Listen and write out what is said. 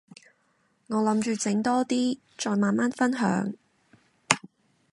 我諗住整多啲，再慢慢分享